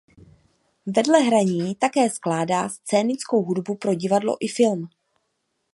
Vedle hraní také skládá scénickou hudbu pro divadlo i film.